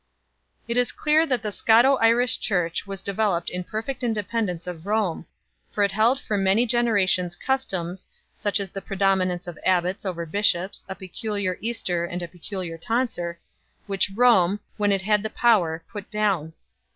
It is clear that the Scoto Irish Church was developed in perfect independence of Rome, for it held for many generations customs such as the predominance of abbats over bishops, a peculiar Easter and a peculiar tonsure which Rome, when it had the power, put down.